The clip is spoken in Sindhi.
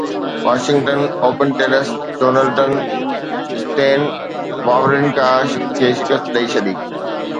واشنگٽن اوپن ٽينس ڊونلڊن اسٽين واورنڪا کي شڪست ڏئي ڇڏي